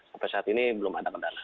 sampai saat ini belum ada kendala